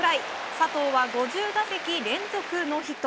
佐藤は５０打席連続ノーヒット。